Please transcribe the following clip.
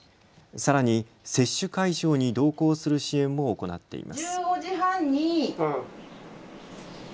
さらに、接種会場に同行する支援も行っています。